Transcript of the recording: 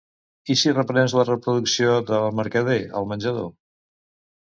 I si reprens la reproducció d'"El mercader" al menjador?